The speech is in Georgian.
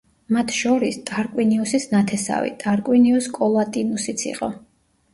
მათ შორის ტარკვინიუსის ნათესავი ტარკვინიუს კოლატინუსიც იყო.